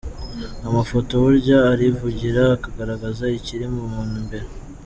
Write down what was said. Amafoto burya arivugira, akagaragaza ikiri mu muntu imbere.